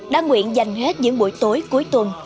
đã nguyện dành hết những buổi tối cuối tuần